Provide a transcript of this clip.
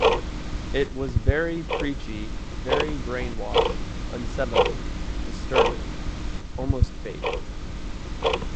It was very preachy, very brainwash, unsettling, disturbing, almost fake